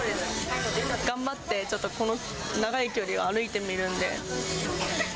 頑張ってちょっとこの長い距離を歩いてみるんで。